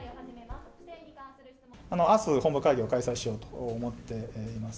あす、本部会議を開催しようと思っています。